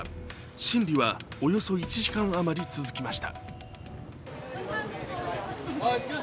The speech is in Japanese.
審理はおよそ１時間余り続きました。